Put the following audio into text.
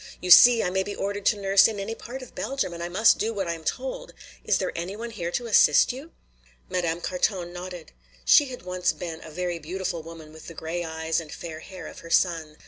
You see, I may be ordered to nurse in any part of Belgium and I must do what I am told. Is there any one here to assist you?" Madame Carton nodded. She had once been a very beautiful woman with the gray eyes and fair hair of her son.